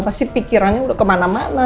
pasti pikirannya udah kemana mana